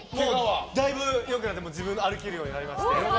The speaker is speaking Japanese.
だいぶ良くなって歩けるようになりまして。